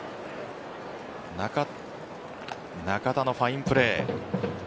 中田のファインプレー。